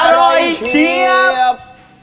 อร่อยเชียบ